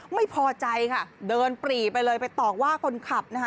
ไม่พอใจค่ะเดินปรีไปเลยไปต่อว่าคนขับนะคะ